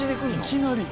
いきなり！？